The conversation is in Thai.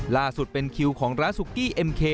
ล่าสุดเป็นคิวของร้านซุกี้เอ็มเค